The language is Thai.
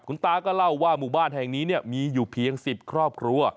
คุณตาก็เล่าว่าหมู่บ้านแห่งนี้มีอยู่เพียง๑๐ครอบครัว